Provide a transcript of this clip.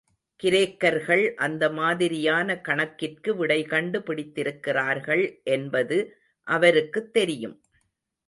கிரேக்கர்கள் அந்த மாதிரியான கணக்கிற்கு விடைகண்டு பிடித்திருக்கிறார்கள் என்பது அவருக்குத் தெரியும்.